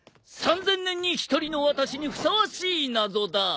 ３，０００年に一人の私にふさわしい謎だ！